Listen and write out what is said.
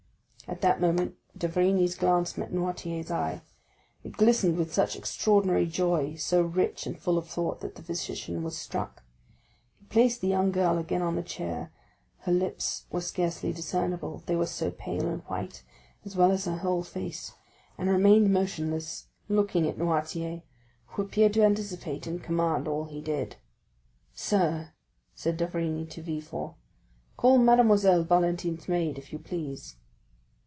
At that moment d'Avrigny's glance met Noirtier's eye. It glistened with such extraordinary joy, so rich and full of thought, that the physician was struck. He placed the young girl again on the chair,—her lips were scarcely discernible, they were so pale and white, as well as her whole face,—and remained motionless, looking at Noirtier, who appeared to anticipate and commend all he did. "Sir," said d'Avrigny to Villefort, "call Mademoiselle Valentine's maid, if you please."